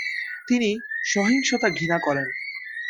তিনি সহিংসতা ঘৃণা করেন।